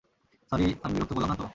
Sorry, আমি বিরক্ত করলাম না তো?